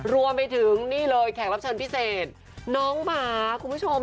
รวมไปถึงนี่เลยแขกรับเชิญพิเศษน้องหมาคุณผู้ชม